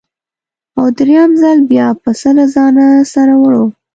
او درېیم ځل بیا پسه له ځانه سره وړو.